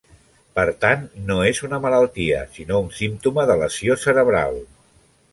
Per tant, no és una malaltia, sinó un símptoma de lesió cerebral.